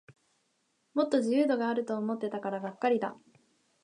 もっと自由度あると思ってたからがっかりだ